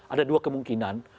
ada dua kemungkinan